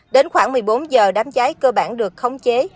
đến khoảng một mươi bốn h đám cháy cơ bản được khống chế